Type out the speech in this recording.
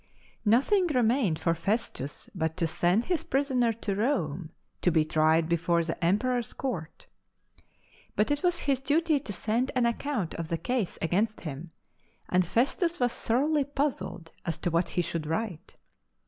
Nothing remained for Festus but to send his prisoner to Rome to be tried before the Em peror's court. But it was his duty to send an account of the case against him, and Festus was thoroughly puzzled as to what he should write.